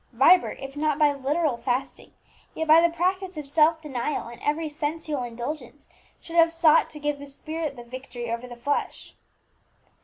Vibert, if not by literal fasting, yet by the practice of self denial in every sensual indulgence, should have sought to give the spirit the victory over the flesh.